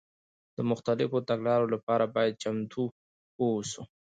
د مختلفو تګلارو لپاره باید چمتو واوسو.